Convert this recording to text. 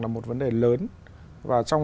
là một vấn đề lớn và trong